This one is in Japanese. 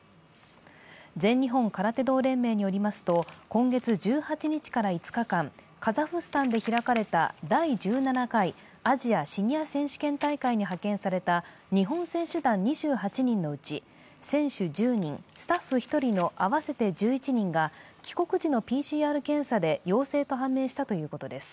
全日本空手道連盟によりますと、今月１８日から５日間、カザフスタンで開かれた第１７回アジアシニア空手道選手権大会に派遣された日本選手団２８人のうち、選手１０人、スタッフ１人の合わせて１１人が帰国時のＰＣＲ検査で陽性と判明したということです。